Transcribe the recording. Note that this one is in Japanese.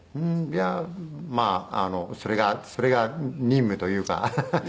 いやまあそれがそれが任務というか。